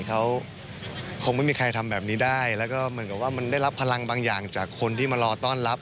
เขาคงไม่มีใครทำแบบนี้ได้แล้วก็เหมือนกับว่ามันได้รับพลังบางอย่างจากคนที่มารอต้อนรับ